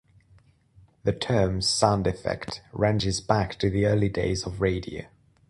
The term "sound effect" ranges back to the early days of radio.